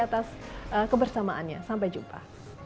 atas kebersamaannya sampai jumpa